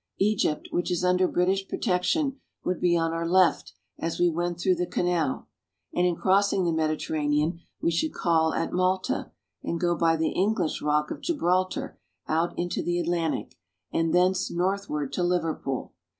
Egypt, which is under British protection, would be on our left as we went through the canal, and in crossing the Mediterranean we should call at Malta, and go by the English rock of Gibraltar out into the Atlantic, and thence northward to Liverpool.